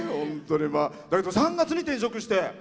３月に転職して。